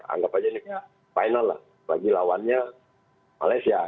anggap saja ini final lah bagi lawannya malaysia